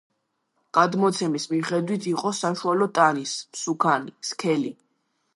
გადმოცემის მიხედვით იყო საშუალო ტანის, მსუქანი, სქელი.